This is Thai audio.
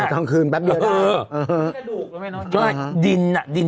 ถูกต้อง